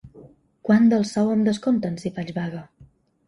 Quant del sou em descompten si faig vaga?